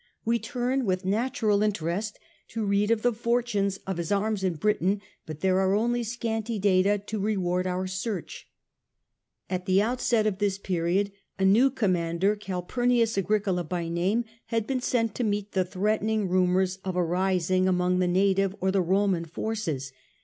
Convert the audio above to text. We turn with natural interest to read of the fortunes of his arms in Britain, but there are only scanty data to reward our search. At the fortunes outset of this period a new commander, Calpurnius Agricola by name, had been sent arms in .. fu *• r •• Britaia to meet the threatening rumours of a rising among the native or the Roman forces.